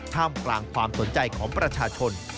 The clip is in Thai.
ท่ามกลางความสนใจของประชาชน